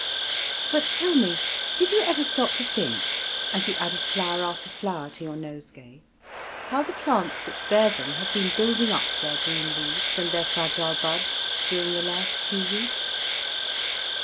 But tell me, did you ever stop to think, as you added flower after flower to your nosegay, how the plants which bear them have been building up their green leaves and their fragile buds during the last few weeks?